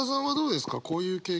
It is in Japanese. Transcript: こういう経験は。